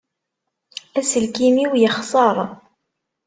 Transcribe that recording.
Aselkim-iw yexseṛ.